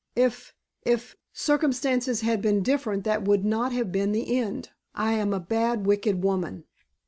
If if circumstances had been different that would not have been the end. I am a bad wicked woman."